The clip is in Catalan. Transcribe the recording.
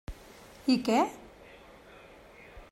I què?